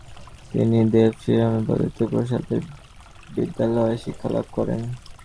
তিনি দেভশিরমে পদ্ধতিতে প্রাসাদের বিদ্যালয়ে শিক্ষা লাভ করেন।